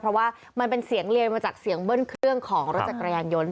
เพราะว่ามันเป็นเสียงเรียนมาจากเสียงเบิ้ลเครื่องของรถจักรยานยนต์